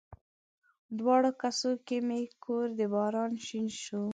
دواړو کسو کې مې کور د باران شین شو